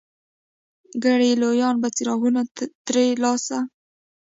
کړي لویان به څراغونه ترې ترلاسه